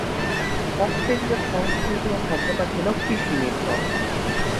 অস্ট্রিকদের সংস্কৃতি ও সভ্যতা ছিল কৃষি নির্ভর।